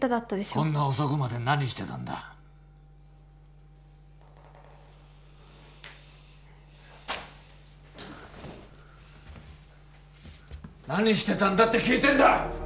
こんな遅くまで何してたんだ何してたんだって聞いてんだ！